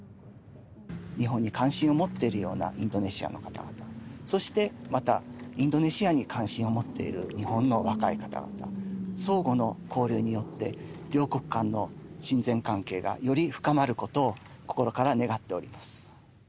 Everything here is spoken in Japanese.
日本に関心を持っているようなインドネシアの方々、そしてまた、インドネシアに関心を持っている日本の若い方々、相互の交流によって、両国間の親善関係がより深まることを、心から願っております。